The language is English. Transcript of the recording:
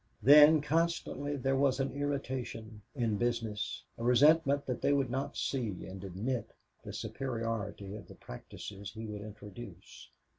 Then constantly there was an irritation in business, a resentment that they would not see and admit the superiority of the practices he would introduce.